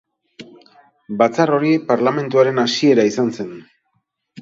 Batzar hori parlamentuaren hasiera izan zen.